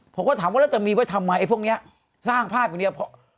ผมก็ถามว่าแล้วจะมีไว้ทำไมไอ้พวกนี้สร้างภาพอย่างเดียว